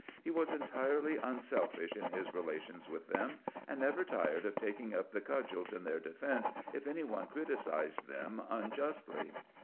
He was entirely unselfish in his relations with them, and never tired of taking up the cudgels in their defense if any one criticized them unjustly.